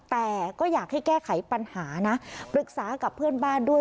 แต่ก็อยากให้แก้ไขปัญหานะปรึกษากับเพื่อนบ้านด้วย